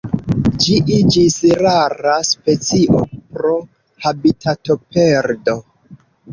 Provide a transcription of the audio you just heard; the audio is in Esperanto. Ĝi iĝis rara specio pro habitatoperdo.